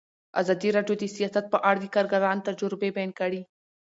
ازادي راډیو د سیاست په اړه د کارګرانو تجربې بیان کړي.